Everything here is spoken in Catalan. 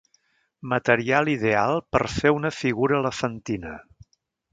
Material ideal per fer una figura elefantina.